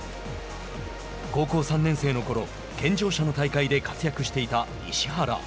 高校３年生のころ、健常者の大会で活躍していた石原。